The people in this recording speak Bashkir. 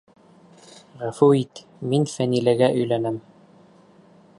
Ғәфү ит, мин Фәниләгә әйләнәм.